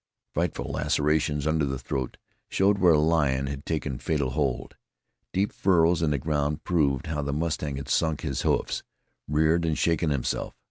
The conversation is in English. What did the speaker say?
Frightful lacerations under the throat showed where a lion had taken fatal hold. Deep furrows in the ground proved how the mustang had sunk his hoofs, reared and shaken himself.